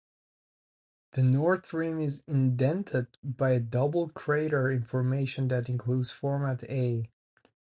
The north rim is indented by a double crater formation that includes Fermat A.